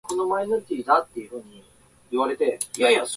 どうやって言葉は変化するのかな？広く使われると言葉として認められる？